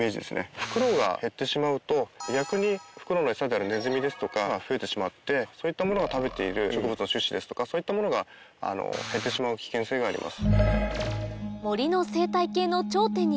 フクロウが減ってしまうと逆にフクロウの餌であるネズミですとか増えてしまってそういったものが食べている植物の種子ですとかそういったものが減ってしまう危険性があります。